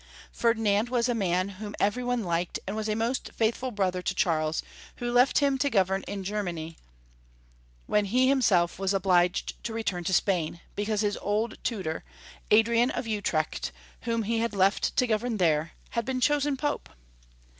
Ferdinand was a man whom every one liked, and was a most faithful brother to Charles, who left liim to govern in Germany when Charles V. 277 he himself was obliged to return to Spain, because his old tutor, Adrian of Utrecht, whom he had left to govern there, had been chosen Pope.